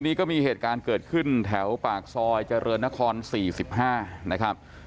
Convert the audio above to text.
นี่ก็มีเหตุการณ์เกิดขึ้นแถวปากซอยเจริญนคร๔๕นะครับ